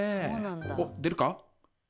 おっ出るか？